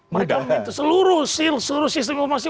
mereka minta seluruh sistem informasi